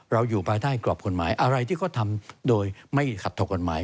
อยู่ภายใต้กรอบกฎหมายอะไรที่เขาทำโดยไม่ขัดต่อกฎหมาย